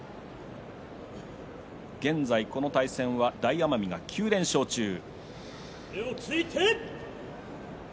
現在この対戦は大奄美が９連勝中です。